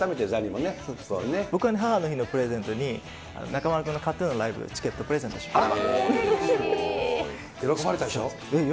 僕は母の日のプレゼントに、中丸君のＫＡＴーＴＵＮのライブチケットプレゼントしました。